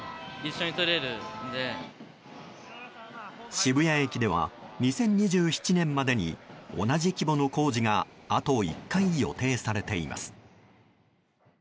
渋谷駅では２０２７年までに同じ規模の工事があと１回予定されています。